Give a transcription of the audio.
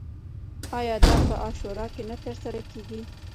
آیا دا په عاشورا کې نه ترسره کیږي؟